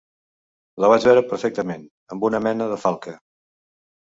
La vaig veure perfectament, amb una mena de falca.